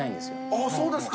あっそうですか。